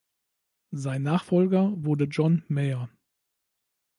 Sein Nachfolger wurde John Major.